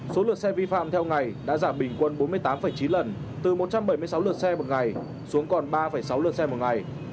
số lượt xe vi phạm theo ngày đã giảm bình quân bốn mươi tám chín lần từ một trăm bảy mươi sáu lượt xe một ngày xuống còn ba sáu lượt xe một ngày